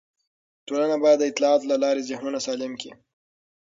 ټولنه باید د اطلاعاتو له لارې ذهنونه سالم کړي.